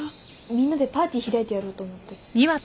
みんなでパーティー開いてやろうと思って。